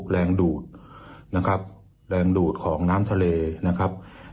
แรงดูดนะครับแรงดูดของน้ำทะเลนะครับ